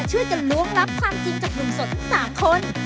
ช่วยจะล้วงรับความจริงกับลงโสดทั้ง๓คน